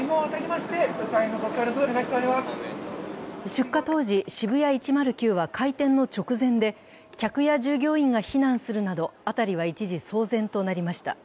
出火当時、ＳＨＩＢＵＹＡ１０９は開店の直前で、客や従業員が避難するなど、辺りは一時騒然となりました。